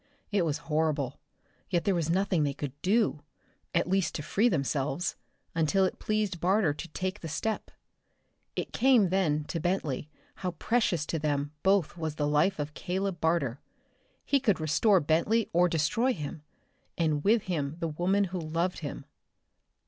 It was horrible, yet there was nothing they could do at least, to free themselves until it pleased Barter to take the step. It came then to Bentley how precious to them both was the life of Caleb Barter. He could restore Bentley or destroy him and with him the woman who loved him.